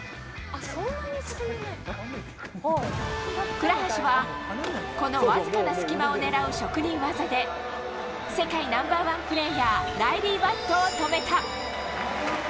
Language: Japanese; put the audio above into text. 倉橋は、このわずかな隙間をねらう職人技で世界ナンバーワンプレーヤー、ライリー・バットを止めた。